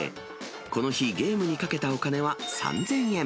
この日、ゲームにかけたお金は３０００円。